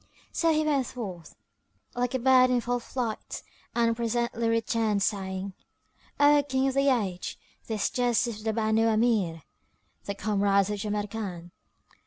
So he went forth, like a bird in full flight, and presently returned, saying, "O King of the Age, this dust is of the Banu Amir, the comrades of Jamrkan."